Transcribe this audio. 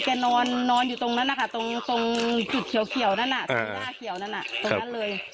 แกนอนอยู่ตรงนั้นนะคะตรงจุดเขียวนั่นตรงหน้าเขียวนั่นน่ะตรงนั้นเลย